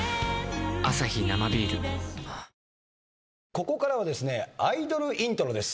ここからはアイドルイントロです